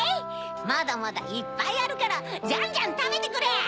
まだまだいっぱいあるからじゃんじゃんたべてくれ！